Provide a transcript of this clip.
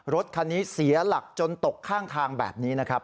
รถคันนี้เสียหลักจนตกข้างทางแบบนี้นะครับ